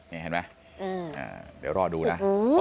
เดี๋ยวรอดูนะ